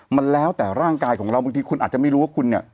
มันแล้วแต่ร่างกายของเราบางทีคุณอาจจะไม่รู้ว่าคุณเนี่ย